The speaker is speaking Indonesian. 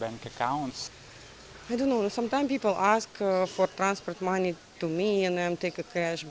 saya tidak tahu kadang kadang orang bertanya untuk uang transportasi untuk saya dan saya mengambil uang cash